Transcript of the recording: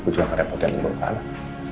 gue cuma kerepotan di rumah kanan